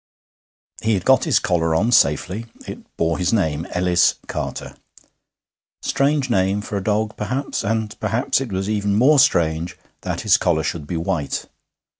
I He had got his collar on safely; it bore his name Ellis Carter. Strange name for a dog, perhaps; and perhaps it was even more strange that his collar should be white.